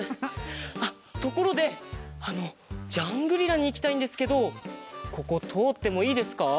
あっところであのジャングリラにいきたいんですけどこことおってもいいですか？